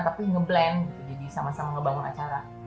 tapi nge blend gitu jadi sama sama ngebangun acara